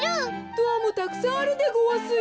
ドアもたくさんあるでごわすよ。